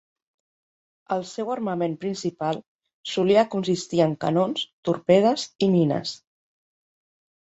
El seu armament principal solia consistir en canons, torpedes i mines.